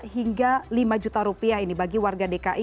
hingga lima juta rupiah ini bagi warga dki